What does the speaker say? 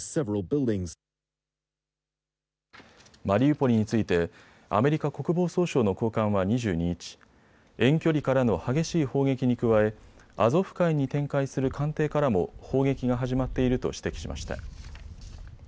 マリウポリについてアメリカ国防総省の高官は２２日、遠距離からの激しい砲撃に加えアゾフ海に展開する艦艇からも砲撃が始まっていると指摘しました。